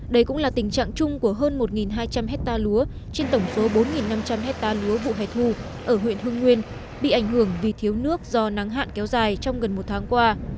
đây cũng là tình trạng chung của hơn một hai trăm linh hectare lúa trên tổng số bốn năm trăm linh hectare lúa vụ hẻ thu ở huyện hưng nguyên bị ảnh hưởng vì thiếu nước do nắng hạn kéo dài trong gần một tháng qua